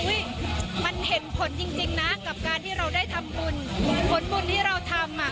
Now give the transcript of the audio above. มันเห็นผลจริงจริงนะกับการที่เราได้ทำบุญผลบุญที่เราทำอ่ะ